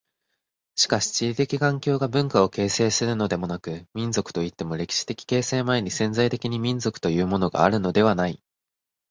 しかし地理的環境が文化を形成するのでもなく、民族といっても歴史的形成前に潜在的に民族というものがあるのではない。